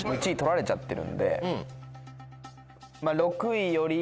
１位取られちゃってるんで。